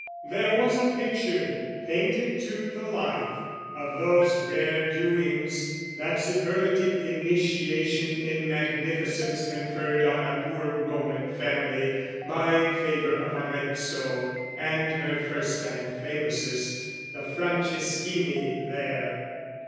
There was a picture, painted to the life, Of those rare doings, that superlative Initiation in magnificence Conferred on a poor Roman family By favour of Arezzo and her first And famousest, the Franceschini there.